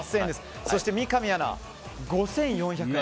そして三上アナ、５４００円。